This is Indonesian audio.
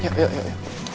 yuk yuk yuk